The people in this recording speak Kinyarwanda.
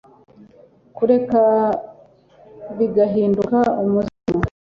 kureka bigahinduka umuzimu